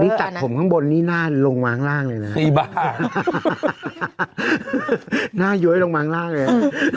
นี่ตัดผมข้างบนนี่หน้าลงม้างล่างเลยนะอีบ้าหน้าย้วยลงม้างล่างเลย